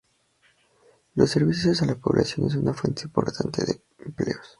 Los servicios a la población es una fuente importante de empleos.